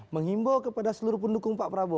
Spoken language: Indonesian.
menghimbau kepada seluruh pendukung pak prabowo